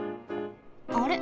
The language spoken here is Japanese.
あれ？